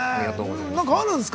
何かあるんですか？